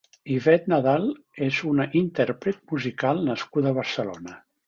Ivette Nadal és una intérpret musical nascuda a Barcelona.